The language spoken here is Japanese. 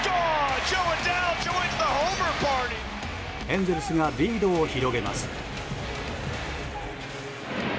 エンゼルスがリードを広げます。